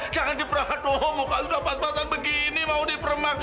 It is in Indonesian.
jangan dipermak tuh muka lo pas pasan begini mau dipermak